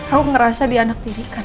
aku ngerasa dianaktirikan